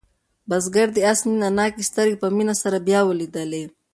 بزګر د آس مینه ناکې سترګې په مینه سره بیا ولیدلې.